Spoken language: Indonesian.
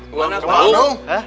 pulang ke bandung